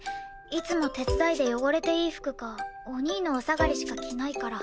いつも手伝いで汚れていい服かお兄のお下がりしか着ないから。